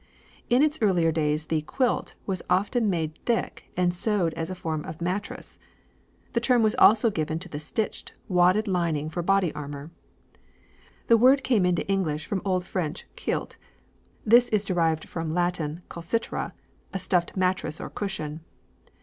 In its earlier days the "quilt" was often made thick and sewed as a form of mattress. The term was also given to a stitched, wadded lining for body armour. "The word came into English from old French cuilte. This is derived from Latin culcitra, a stuffed mattress or cushion.